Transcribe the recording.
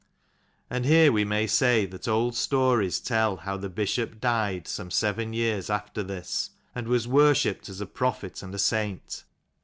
And here we may say that old stories tell how the bishop died some seven years after this, and was worshipped as a prophet and a saint.